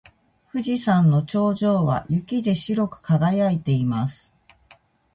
富士山の頂上は雪で白く輝いています。